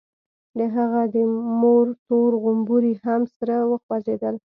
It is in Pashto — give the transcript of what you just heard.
د هغه د مور تور غومبري هم سره وخوځېدل.